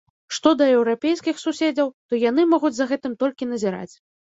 Што да еўрапейскіх суседзяў, то яны могуць за гэтым толькі назіраць.